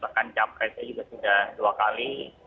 bahkan capresnya juga sudah dua kali